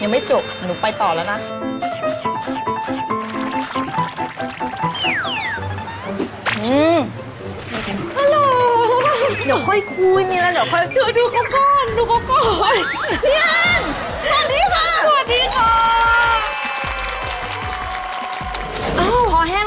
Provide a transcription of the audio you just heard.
ไม่้ได้เลี้ยง